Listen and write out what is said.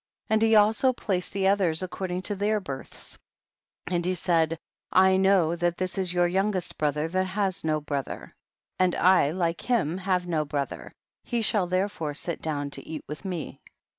13. And he also placed the others 168 THE BOOK OF JASHER. according to their births, and he said, I know that this your youngest bro ther has no brother, and I, like him, have no brother, he shall therefore sit down to eat with me.